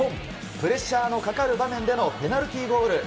プレッシャーのかかる場面でのペナルティーゴール。